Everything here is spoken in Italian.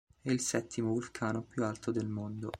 È il settimo vulcano più alto del mondo.